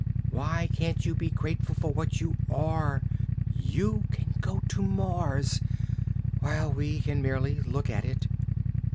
Why can't you be grateful for what you are? You can go to Mars, while we can merely look at it.